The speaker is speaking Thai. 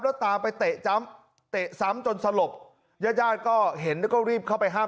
แล้วตามไปเตะซ้ำเตะซ้ำจนสลบญาติญาติก็เห็นแล้วก็รีบเข้าไปห้าม